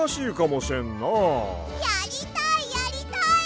やりたいやりたい！